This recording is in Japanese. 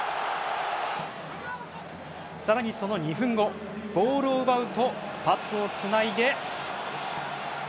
さらに、その２分後ボールを奪うとパスをつないで。